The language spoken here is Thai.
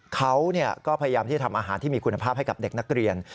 เขาก็พยายามที่จะทำอาหารที่มีคุณภาพให้กับเด็กนักเรียน